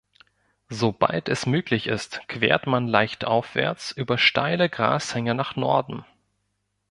Sobald es möglich ist, quert man leicht aufwärts über steile Grashänge nach Norden.